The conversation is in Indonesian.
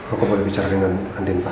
aku mau bicara dengan andin pak